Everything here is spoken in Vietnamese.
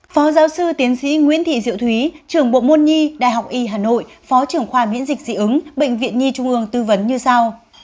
phó giáo sư tiến sĩ nguyễn thị diệu thúy trưởng bộ môn nhi đại học y hà nội phó trưởng khoa miễn dịch dị ứng bệnh viện nhi trung ương tư vấn như sau